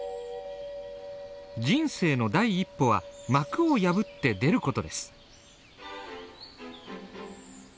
人生の第一歩は膜を破って出ることです。